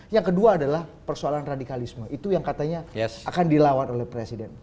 yang kedua adalah persoalan radikalisme itu yang katanya akan dilawan oleh presiden